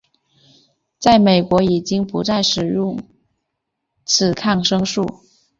在美国已经不再使用此抗生素。